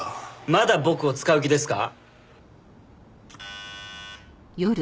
まだ僕を使う気ですか？